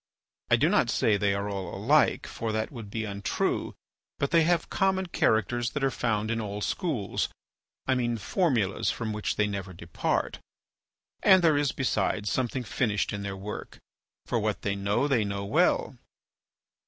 I do not say the are all alike, for that would be untrue, but they have common characters that are found in all schools—I mean formulas from which they never depart—and there is besides something finished in their work, for what they know they know well.